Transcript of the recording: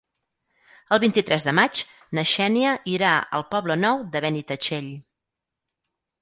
El vint-i-tres de maig na Xènia irà al Poble Nou de Benitatxell.